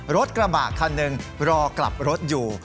รถกระบะคันหนึ่งรอกลับรถอยู่